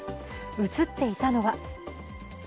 映っていたのは？